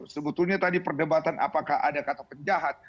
sebetulnya tadi perdebatan apakah ada kata penjahat